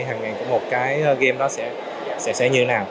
hàng ngàn của một game đó sẽ như thế nào